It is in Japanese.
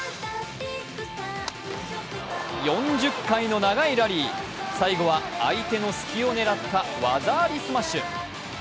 ４０回の長いラリー最後は相手の隙を狙った技ありスマッシュ。